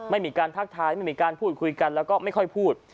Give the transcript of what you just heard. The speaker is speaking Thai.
ไม่มีการทักทายไม่มีการพูดคุยกันแล้วก็ไม่ค่อยพูด